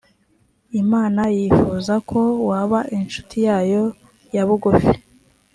imana yifuza ko waba incuti yayo ya bugufi.